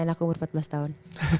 anakku umur empat belas tahun